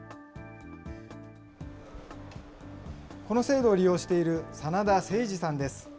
この制度を利用している真田誠司さんです。